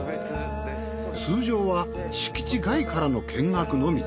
通常は敷地外からの見学のみ。